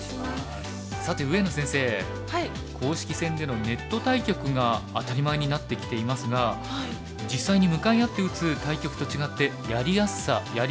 さて上野先生公式戦でのネット対局が当たり前になってきていますが実際に向かい合って打つ対局と違ってやりやすさやり